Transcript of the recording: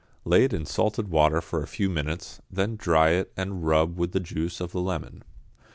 Lay it in salted water for a few minutes, then dry it and rub with the juice of a lemon.